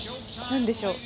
何でしょう？